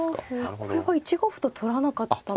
これは１五歩と取らなかったのは。